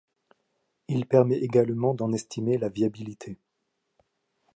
Il permet également d'en estimer la viabilité.